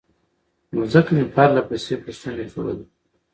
نو ځکه مې پرلهپسې پوښتنې کولې